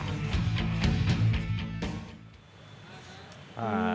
ketika berada di k sembilan